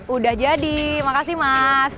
udah jadi makasih mas